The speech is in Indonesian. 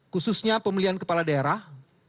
khususnya pemilihan kepala daerah